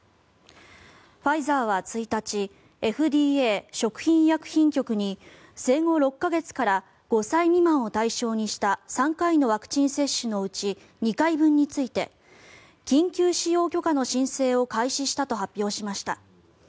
ファイザーは１日ＦＤＡ・食品医薬品局に生後６か月から５歳未満を対象にした３回のワクチン接種のうち２回分について緊急使用許可の申請を開始したと発表しました。